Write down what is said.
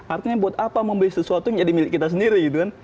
artinya buat apa mau beli sesuatu yang jadi milik kita sendiri gitu kan